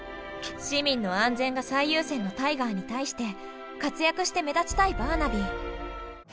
市民の安全が最優先のタイガーに対して活躍して目立ちたいバーナビー。